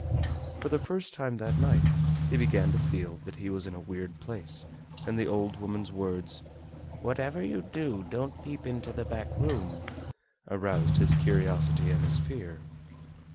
For the first time that night he began to feel that he was in a weird place, and the old woman's words, "Whatever you do don't peep into the back room," aroused his curiosity and his fear.